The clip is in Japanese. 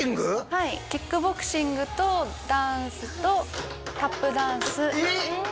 はいキックボクシングとダンスとタップダンスえっ！？